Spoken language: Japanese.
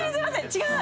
違う！